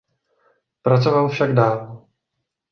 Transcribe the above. Pracoval však dál.